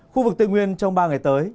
khu vực tây nguyên trong ba ngày tới